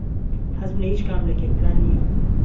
حەزم لە هیچ کام لە کێکەکان نییە.